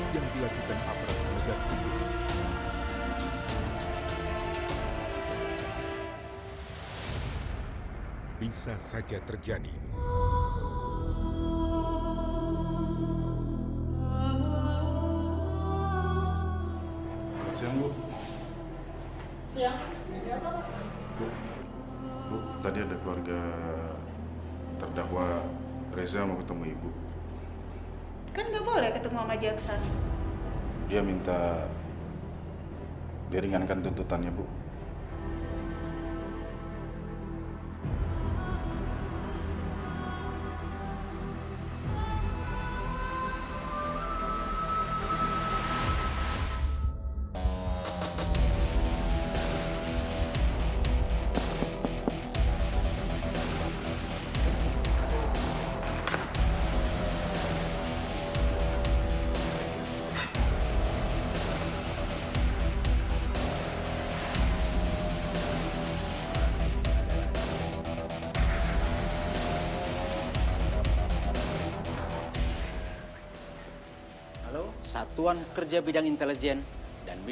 yang dilakukan aparat penegak hukum